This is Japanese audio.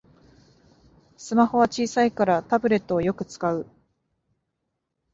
スマホは小さいからタブレットをよく使う